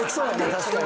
確かに。